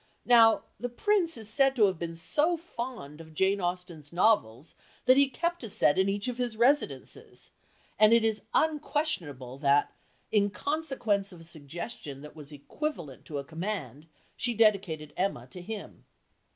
Now the Prince is said to have been so fond of Jane Austen's novels that he kept a set in each of his residences, and it is unquestionable that, in consequence of a suggestion that was "equivalent to a command," she dedicated Emma to him.